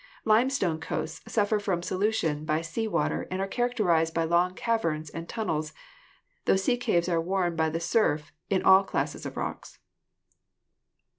Limestone coasts suffer from solution by sea water and are characterized by long caverns and tunnels, tho sea caves are worn by the surf in all classes of rocks.